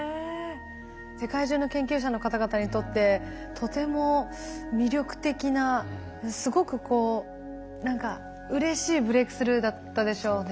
世界中の研究者の方々にとってとても魅力的なすごくこう何かうれしいブレークスルーだったでしょうね。